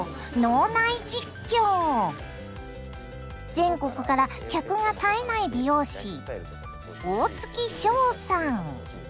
全国から客が絶えない美容師大月渉さん。